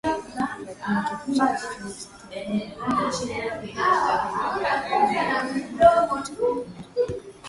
Lakini Kifo cha Kristo hakikuondoa Amri kumi Amri kumi ziliendelea kudumu katika Agano jipya